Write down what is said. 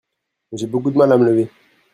J'ai beaucoup de mal à me lever.